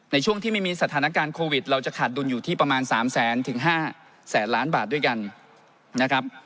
ในช่วงที่ไม่มีสถานการณ์โควิดเราจะขาดดุลอยู่ที่ประมาณ๓แสนถึง๕แสนล้านบาทด้วยกันนะครับ